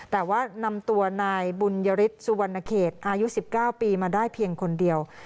แต่ว่านำตัวนายบุญยฤทธิสุวรรณเขตอายุ๑๙ปีมาได้เพียงคนเดียว